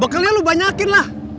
bekelnya lo banyakin lah